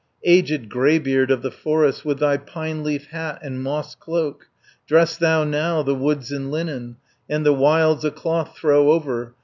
"Aged greybeard of the forest, With thy pine leaf hat and moss cloak, Dress thou now the woods in linen, And the wilds a cloth throw over.